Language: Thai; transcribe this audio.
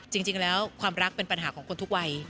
จริงแล้วความรักเป็นปัญหาของคนทุกวัย